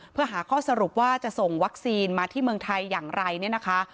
เพื่อหาข้อสรุปว่าจะส่งวัคซีนมาที่เมืองไทยอย่างไรเนี่ยนะคะ